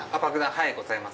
はいございます。